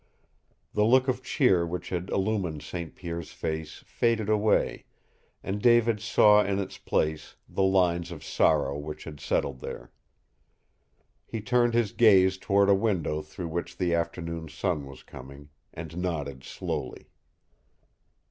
The look of cheer which had illumined St. Pierre's face faded away, and David saw in its place the lines of sorrow which had settled there. He turned his gaze toward a window through which the afternoon sun was coming, and nodded slowly.